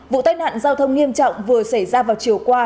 vụ tai nạn giao thông nghiêm trọng vừa xảy ra vào chiều qua